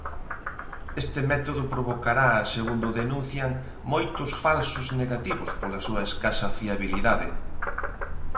Este método provocará, segundo denuncian, "moitos falsos negativos" pola súa escasa fiabilidade.